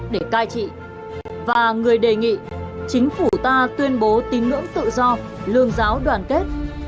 để cai trị và người đề nghị chính phủ ta tuyên bố tín ngưỡng tự do lương giáo đoàn kết